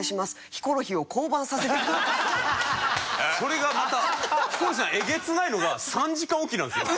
それがまたヒコロヒーさんえげつないのが３時間おきなんですよ。